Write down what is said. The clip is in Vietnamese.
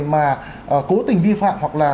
mà cố tình vi phạm hoặc là